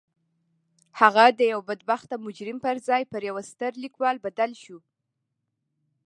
هغه د یوه بدبخته مجرم پر ځای پر یوه ستر لیکوال بدل شو